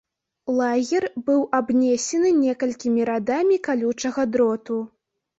Лагер быў абнесены некалькімі радамі калючага дроту.